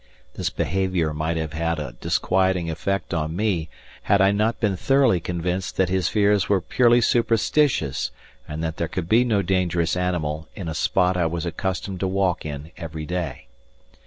This behaviour might have had a disquieting effect on me had I not been thoroughly convinced that his fears were purely superstitious and that there could be no dangerous animal in a spot I was accustomed to walk in every day.